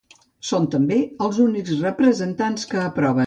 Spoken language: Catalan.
Són, també, els únics representants que aproven.